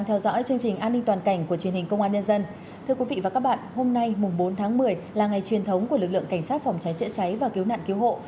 thưa quý vị và các bạn hôm nay bốn tháng một mươi là ngày truyền thống của lực lượng cảnh sát phòng cháy chữa cháy và cứu nạn cứu hộ